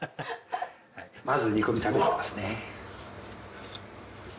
まず煮込み食べてみますね。